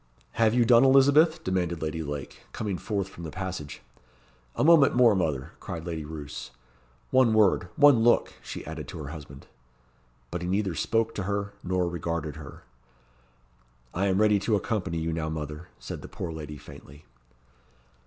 "Have you done, Elizabeth?" demanded Lady Lake, coming forth from the passage. "A moment more, mother," cried Lady Roos. "One word one look!" she added to her husband. But he neither spoke to her, nor regarded her. "I am ready to accompany you now, mother," said the poor lady faintly.